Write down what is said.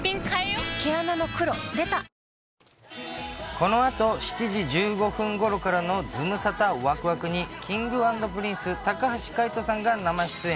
このあと７時１５分ごろからのズムサタわくわくに、Ｋｉｎｇ＆Ｐｒｉｎｃｅ・高橋海人さんが生出演。